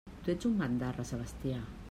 Tu ets un bandarra, Sebastià!